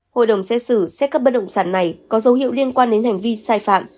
hội đồng xét xử xét cấp bất động sản này có dấu hiệu liên quan đến hành vi sai phạm